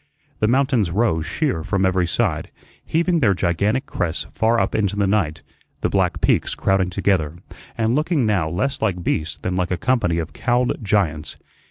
The mountains rose sheer from every side, heaving their gigantic crests far up into the night, the black peaks crowding together, and looking now less like beasts than like a company of cowled giants.